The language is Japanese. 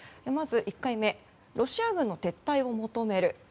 まず１回目ロシア軍の撤退を求める